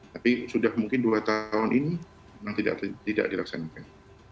tapi sudah mungkin dua tahun ini memang tidak dilaksanakan